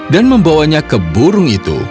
dan membawanya ke burung itu